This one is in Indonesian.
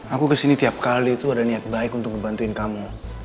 aku kesini tiap kali itu ada niat baik untuk ngebantuin kamu